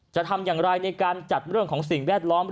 จะทำอย่างไรในการจัดเรื่องของสิ่งแวดล้อม